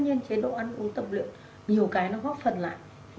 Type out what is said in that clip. nhiều cái nó góp phần lại